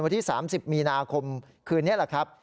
ที่๓๐มีนาคมคืนนี้แหละครับ